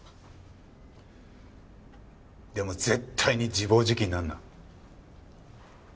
でも絶対に自暴自棄になるな。